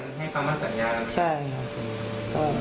ได้มีการให้คำสัญญา